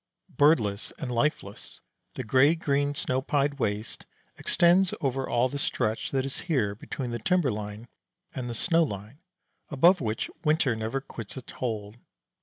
Birdless and lifeless, the gray green snow pied waste extends over all the stretch that is here between the timber line and the snow line, above which winter never quits its hold.